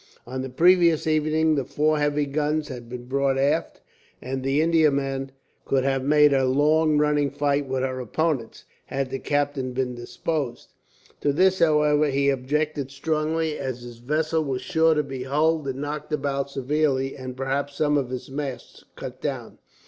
On the previous evening the four heavy guns had been brought aft, and the Indiaman could have made a long running fight with her opponents, had the captain been disposed. To this, however, he objected strongly, as his vessel was sure to be hulled and knocked about severely, and perhaps some of his masts cut down.